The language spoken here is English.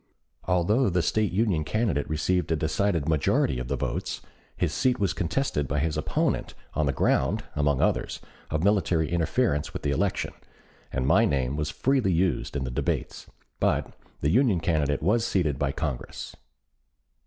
Although the State Union candidate received a decided majority of the votes, his seat was contested by his opponent on the ground, among others, of military interference with the election, and my name was freely used in the debates; but the Union candidate was seated by Congress.